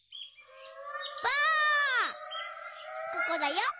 ここだよ。